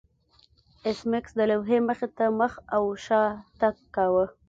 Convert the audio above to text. ایس میکس د لوحې مخې ته مخ او شا تګ کاوه